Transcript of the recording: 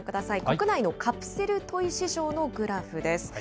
国内のカプセルトイ市場のグラフです。